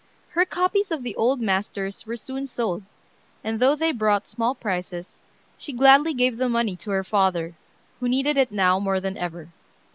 Her copies of the old masters were soon sold, and though they brought small prices, she gladly gave the money to her father, who needed it now more than ever.